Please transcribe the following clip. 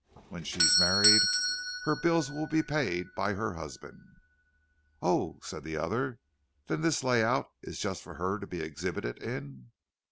When she's married, her bills will be paid by her husband." "Oh," said the other, "then this layout is just for her to be exhibited in."